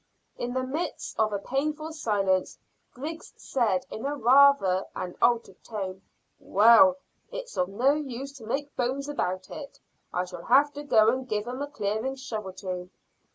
In the midst of a painful silence Griggs said in rather an altered tone "Well, it's of no use to make bones about it. I shall have to go and give 'em a clearing shove or two."